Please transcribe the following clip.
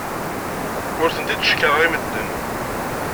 Ur tent-id-cekkṛeɣ i medden.